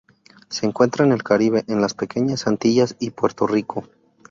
Se encuentra en el Caribe en las Pequeñas Antillas y Puerto Rico.